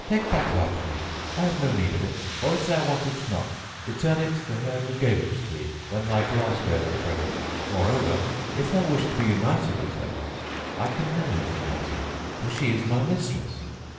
Take back thy money: I have no need of it; or, if thou want it not, return it to her who gave it thee when thy glass ware was broken. Moreover, if thou wish to be united with her, I can manage the matter, for she is my mistress."